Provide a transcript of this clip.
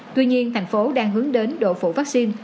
tuy nhiên thành phố đang hướng đến độ phủ vaccine